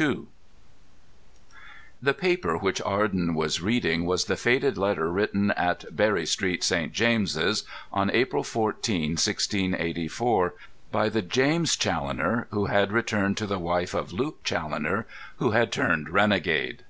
II The paper which Arden was reading was the faded letter written at "Berry Street, St. James's" on April 14, 1684, by the James Challoner who had returned to the wife of Luke Challoner who had turned renegade.